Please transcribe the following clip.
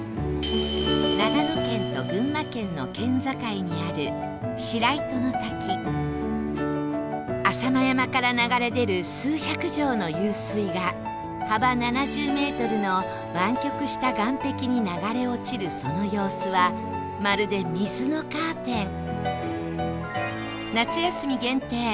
長野県と群馬県の県境にある浅間山から流れ出る数百条の湧水が幅７０メートルの湾曲した岸壁に流れ落ちるその様子はまるで夏休み限定！